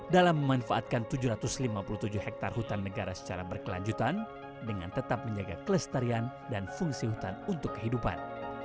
dalam memanfaatkan tujuh ratus lima puluh tujuh hektare hutan negara secara berkelanjutan dengan tetap menjaga kelestarian dan fungsi hutan untuk kehidupan